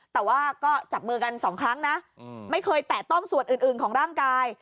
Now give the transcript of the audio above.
แต่ว่าก็จับมือกันสองครั้งนะไม่เคยแตะต้องส่วนอื่นของร่างกาย